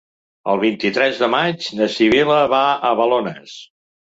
El vint-i-tres de maig na Sibil·la va a Balones.